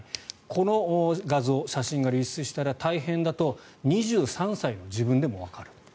この画像、写真が流出したら大変だと２３歳の自分でもわかる。